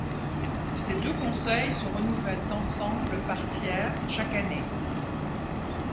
Ces deux conseils se renouvellent ensemble par tiers chaque année.